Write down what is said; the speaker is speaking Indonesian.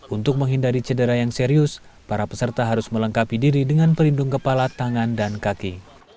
untuk menghindari cedera yang serius para peserta harus melengkapi diri dengan pelindung kepala tangan dan kaki